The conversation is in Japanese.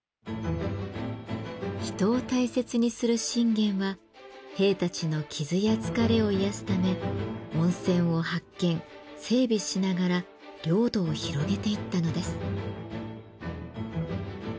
人を大切にする信玄は兵たちの傷や疲れを癒やすため温泉を発見整備しながら領土を広げていったのです。